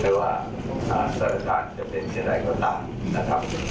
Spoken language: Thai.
ไม่ว่าศาลการณ์จะเป็นทีใดก็ตามนะครับ